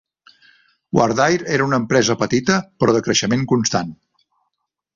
Wardair era una empresa petita però de creixement constant.